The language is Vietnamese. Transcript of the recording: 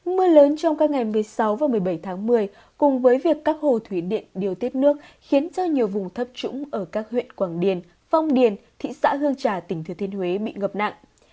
mưa lớn trong các ngày một mươi sáu và một mươi bảy tháng một mươi cùng với việc các hồ thủy điện điều tiết nước khiến cho nhiều vùng thấp trũng ở các huyện quảng điền phong điền thị xã hương trà tỉnh thừa thiên huế bị ngập nặng